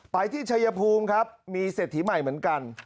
ไปที่ชัยภูมิครับมีเศรษฐีใหม่เหมือนกัน